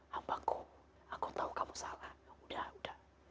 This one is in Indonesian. hambaku aku tahu kamu salah udah udah